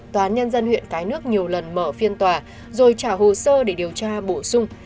tòa án nhân dân huyện cái nước nhiều lần mở phiên tòa rồi trả hồ sơ để điều tra bổ sung